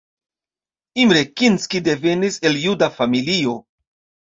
Imre Kinszki devenis el juda familio.